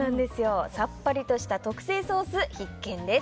さっぱりとした特製ソース必見です。